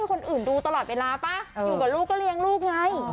คนอื่นดูตลอดเวลาป่ะอยู่กับลูกก็เลี้ยงลูกไง